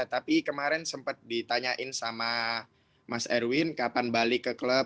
tapi kemarin sempat ditanyain sama mas erwin kapan balik ke klub